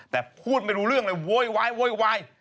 แต่พูดไม่รู้เรื่องเลยโว๊ย